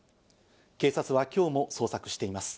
警察は今日も捜索しています。